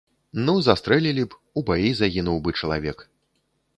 Ну, застрэлілі б, у баі загінуў бы чалавек.